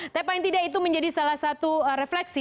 tapi paling tidak itu menjadi salah satu refleksi